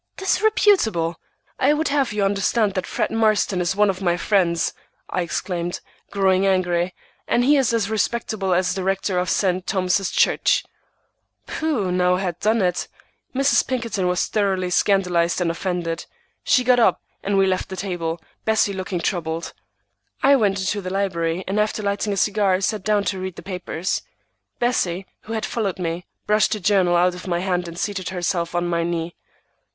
"Disreputable! I would have you understand that Fred Marston is one of my friends," I exclaimed, growing angry, "and he is as respectable as the rector of St. Thomas's Church!" Phew! Now I had done it. Mrs. Pinkerton was thoroughly scandalized and offended. She got up, and we left the table, Bessie looking troubled. I went into the library, and after lighting a cigar, sat down to read the papers. Bessie, who had followed me, brushed the journal out of my hand and seated herself on my knee.